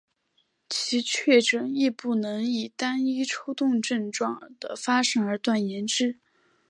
其确诊亦不能以单一抽动症状的发生而断言之。